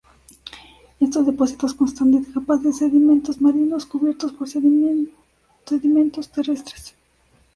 Estos depósitos constan de capas de sedimentos marinos cubiertos por sedimentos terrestres.